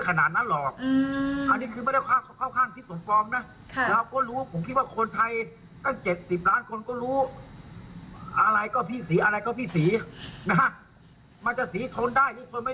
ก็บางอย่างพี่ศรีถ้าพี่ศรีไม่ไปวุ่นวายอะไรกับเขา